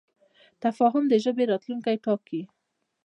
تفاهم د ژبې راتلونکی ټاکي.